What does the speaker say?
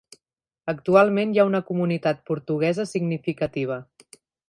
Actualment hi ha una comunitat portuguesa significativa.